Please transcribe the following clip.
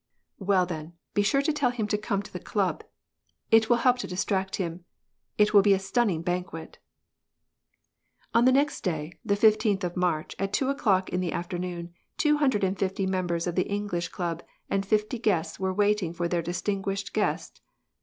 Well then, be sure to tell him to come to the club. It acKi help to distract him. It will be a stunning banquet !" 3(l0n the next day the fifteenth of March, at two o'clock in afternoon, two hundred and fifty members of the English b and fifty guests were waiting for their distinguished st.